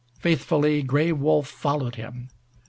Faithfully Gray Wolf followed him.